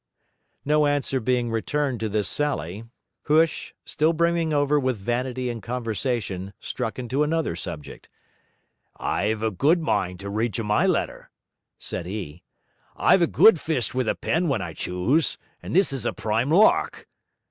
No answer being returned to this sally, Huish, still brimming over with vanity and conversation, struck into another subject. 'I've a good mind to read you my letter,' said he. 'I've a good fist with a pen when I choose, and this is a prime lark.